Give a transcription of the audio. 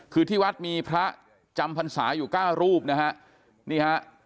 คือที่วัดมีพระจำพรรษาอยู่เก้ารูปนะฮะนี่ฮะ